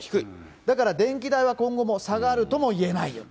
だから電気代は今後も下がるともいえないよと。